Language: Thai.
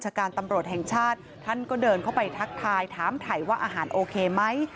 ถามถ่ายว่าหารโอเคไหม